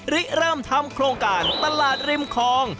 เริ่มทำโครงการตลาดริมคลอง